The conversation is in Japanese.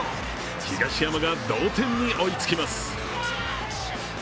東山が同点に追いつきます。